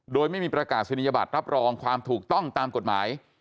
โดยไม่มีประกาศนียบัตรรับรองความถูกต้องตามกฎหมาย